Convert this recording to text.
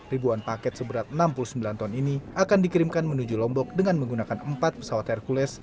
ribuan paket seberat enam puluh sembilan ton ini akan dikirimkan menuju lombok dengan menggunakan empat pesawat hercules